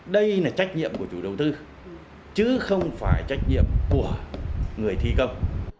đây là trách nhiệm của chủ đầu tư chứ không phải trách nhiệm của người thi công